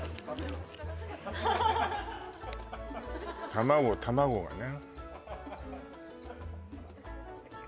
卵卵がね